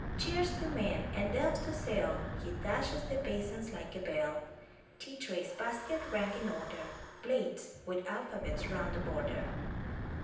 Chairs to mend, and delf to sell ! He clashes the basins like a bell; Tea trays, baskets ranged in order, Plates, with alphabets round the border!